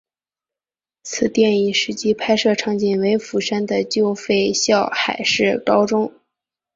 此电影实际拍摄场景为釜山的旧废校海事高中。